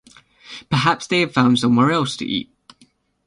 Perhaps they have found somewhere else to eat?